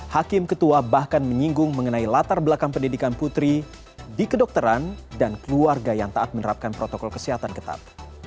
hakim ketua bahkan menyinggung mengenai latar belakang pendidikan putri di kedokteran dan keluarga yang taat menerapkan protokol kesehatan ketat